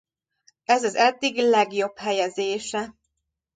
Ez az eddigi legjobb helyezése.